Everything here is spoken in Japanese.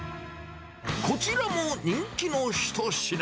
こちらも人気の一品。